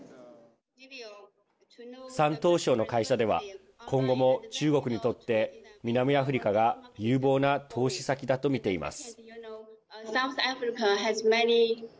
山東省の会社では今後も中国にとって南アフリカが有望な投資先だと見ています。